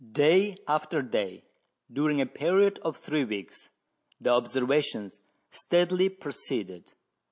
Day after day, during a period of three weeks, the observations steadily proceeded.